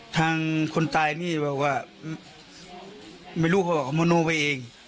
ทางคนตายนี่แบบว่าไม่รู้เขาก็มนุมไปเอง